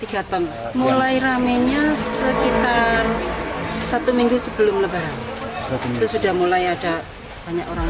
tiga tahun mulai ramennya sekitar satu minggu sebelum lebaran sudah mulai ada banyak orang